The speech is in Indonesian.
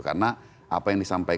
karena apa yang disampaikan